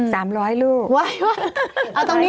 แม่ไม่พูดอะไรไง